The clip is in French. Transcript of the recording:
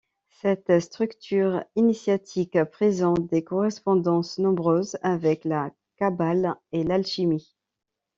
Cette structure initiatique présente des correspondances nombreuses avec la Qabbale et l'alchimie.